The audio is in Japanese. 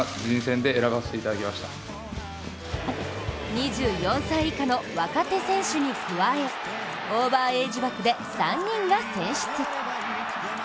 ２４歳以下の若手選手に加え、オーバーエイジ枠で３人が選出。